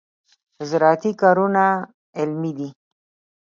زراعتي کارونه علمي دي.